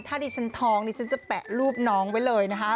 ถ้าดิฉันทองนี่ฉันจะแปะรูปน้องไว้เลยนะคะ